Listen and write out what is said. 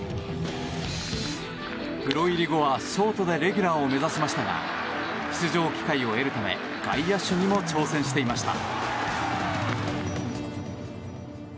プロ入り後は、ショートでレギュラーを目指しましたが出場機会を得るため外野手にも挑戦していました。